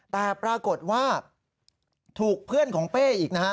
แต่ปรากฏว่าถูกเพื่อนของเป้อีกนะฮะ